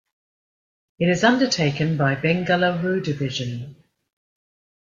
It is undertaken by Bengaluru Division.